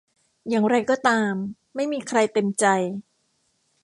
อย่างไรก็ตามไม่มีใครเต็มใจ